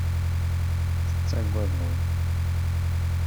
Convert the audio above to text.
Tettagadeḍ.